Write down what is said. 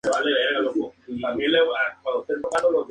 Igualmente de países europeos tales como España.